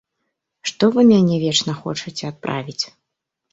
Што вы мяне вечна хочаце адправіць?